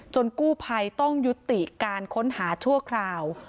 กู้ภัยต้องยุติการค้นหาชั่วคราว